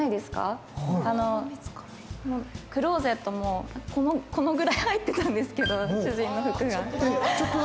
あの、クローゼットの、このくらい入ってたんですけど、主人の服が。